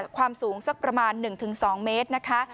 ความสูงสักประมาณ๑๒เมตรนะคะ